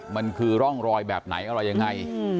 มันคือร่องรอยแบบไหนอะไรยังไง